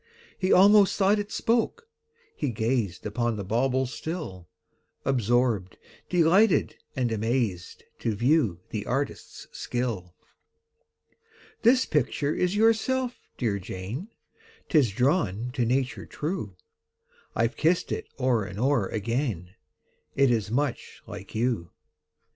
He almost thought it spoke: he gazed Upon the bauble still, Absorbed, delighted, and amazed, To view the artist's skill. "This picture is yourself, dear Jane 'Tis drawn to nature true: I've kissed it o'er and o'er again, It is much like you."